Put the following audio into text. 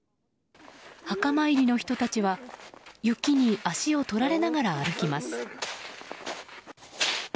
墓参りの人たちは雪に足を取られながら歩きます。